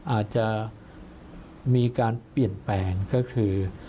อาจจะมีการเปลี่ยนแปลงก็คือ